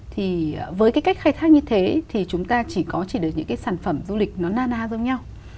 thì với cái cách khai thác như thế thì chúng ta chỉ có những cái sản phẩm du lịch nó na na giống nhau